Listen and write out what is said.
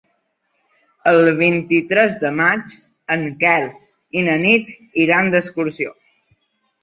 El vint-i-tres de maig en Quel i na Nit iran d'excursió.